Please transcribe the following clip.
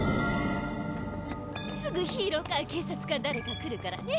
すすぐヒーローか警察か誰か来るからね。